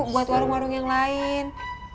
buat warung warung yang lain